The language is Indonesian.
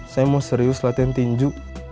saya mau serius latihan tinju